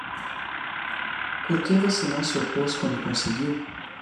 Por que você não se opôs quando conseguiu?